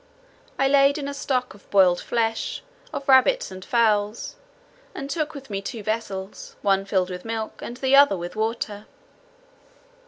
I laid in a stock of boiled flesh, of rabbits and fowls, and took with me two vessels, one filled with milk and the other with water.